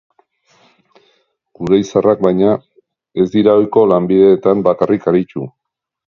Gure izarrak, baina, ez dira ohiko lanbideetan bakarrik aritu.